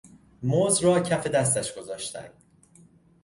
مزد را کف دستش گذاشتن